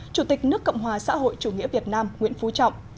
chủ tịch nước cộng hòa xã hội chủ nghĩa việt nam nguyễn phú trọng